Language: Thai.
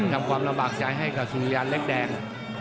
ทำความระบากใช้ให้กับสุริยาเล็กแดง